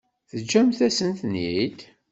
Teǧǧamt-asent-ten-id?